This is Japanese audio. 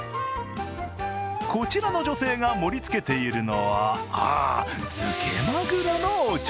こちらの女性が盛りつけているのは、ああ、づけまぐろのお茶